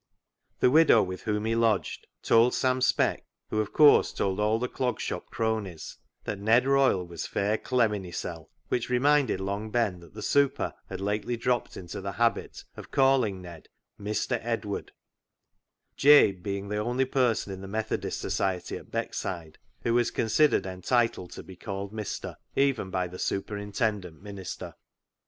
The widow with whom he lodged told Sam Speck, who, of course, told all the Clog Shop cronies that Ned Royle was " fair clemmin' hissel'," which reminded Long Ben that the " super " had lately dropped into the habit of calling Ned Mister Edward, — Jabe being the only person in the Methodist Society at Beck side who was considered entitled to be called Mister, even by the superintendent minister.